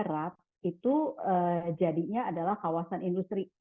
pengadaan infrastruktur konektivitas memang menciptakan peluang penciptaan kawasan industri baru